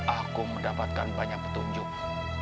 aku mendapatkan banyak petunjuk